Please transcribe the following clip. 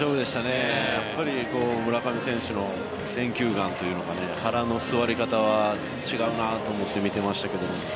やっぱり村上選手の選球眼というのか腹の据わり方は違うなと思って見ていましたが。